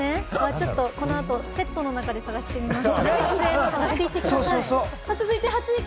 ちょっと、この後セットの中で探してみます。